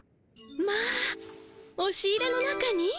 まあおし入れの中に？